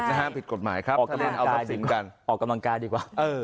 นะฮะผิดกฎหมายครับออกกำลังกายดีกว่าออกกำลังกายดีกว่าเออ